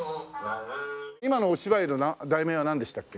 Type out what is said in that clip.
今のお芝居の題名はなんでしたっけ？